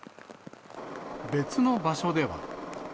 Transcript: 別の場所では。